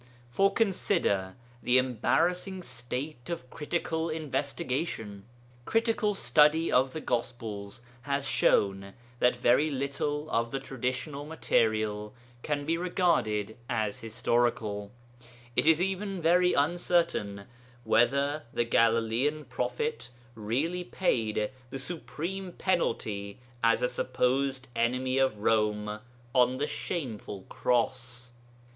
For consider the embarrassing state of critical investigation. Critical study of the Gospels has shown that very little of the traditional material can be regarded as historical; it is even very uncertain whether the Galilean prophet really paid the supreme penalty as a supposed enemy of Rome on the shameful cross.